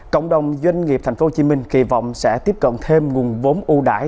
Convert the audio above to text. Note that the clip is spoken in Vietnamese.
cộng đồng doanh nghiệp tp hcm kỳ vọng sẽ tiếp cận thêm nguồn vốn ưu đải